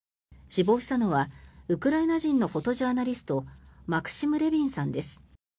死亡したのはウクライナ人のフォトジャーナリストマクシム・レビンさんです。